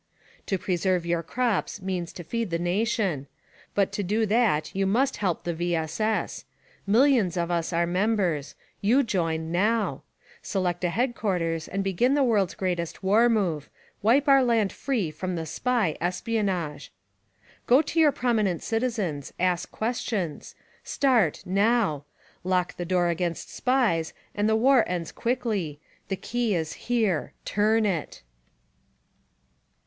To preserve your crops means to feed the nation; but to do that you must help the V. S. S. Millions of us are members; you join— NOW. Select a headquarters and begin the world's greatest war move— wipe our land free from the SPY espionage. Go to your prominent citizens; ask questions; start— NOW! Lock the door against SPIES and the war ends quickly. Tihe key is here— turn it!